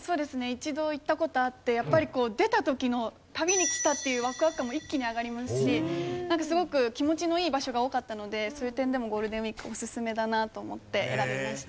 一度行った事あってやっぱり出た時の旅に来たっていうワクワク感も一気に上がりますしすごく気持ちのいい場所が多かったのでそういう点でもゴールデンウィークおすすめだなと思って選びました。